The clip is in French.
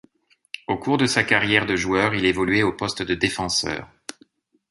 Au cours de sa carrière de joueur il évoluait au poste de défenseur.